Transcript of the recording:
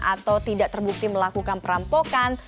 atau tidak terbukti melakukan perampokan